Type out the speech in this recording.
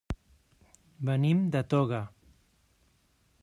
Venim de Toga.